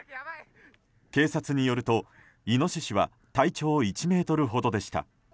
警察によるとイノシシは体長１ｍほどでした。